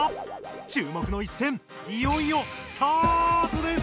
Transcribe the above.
ちゅう目の一戦いよいよスタートです！